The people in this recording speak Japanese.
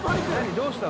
どうしたの？